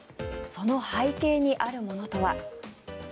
その背景にあるものとは。